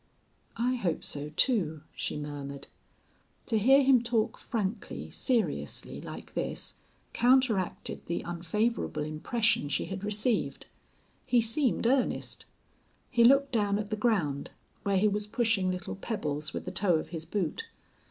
"I hope so, too," she murmured. To hear him talk frankly, seriously, like this counteracted the unfavorable impression she had received. He seemed earnest. He looked down at the ground, where he was pushing little pebbles with the toe of his boot.